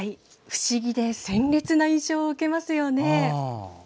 不思議で鮮烈な印象を受けますよね。